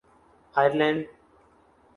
Ireland